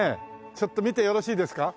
ちょっと見てよろしいですか？